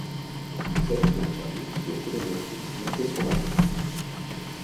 Il s'agit donc d'un outil de télémétrie monté sur avion.